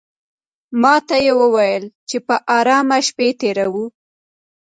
ماته یې وویل چې په آرامه شپې تېروه.